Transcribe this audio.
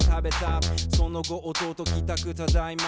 その後弟帰たくただいま。